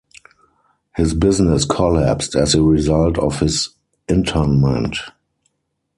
His business collapsed as a result of his internment.